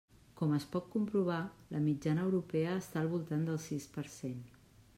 Com es pot comprovar, la mitjana europea està al voltant del sis per cent.